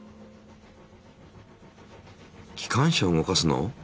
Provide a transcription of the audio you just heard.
機関車を動かすの？